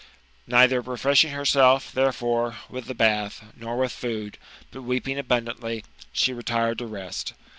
Neither refreshing herself, therefore, with the bath, nor with food, but weeping abundantly, she retired to rest.